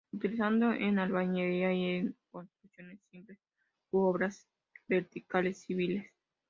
Utilizado en albañilería y construcciones simples u obras verticales civiles.